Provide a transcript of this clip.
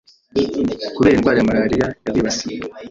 kubera indwara ya malariya yabibasiye